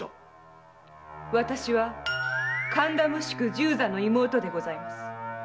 私は神田無宿十左の妹でございます。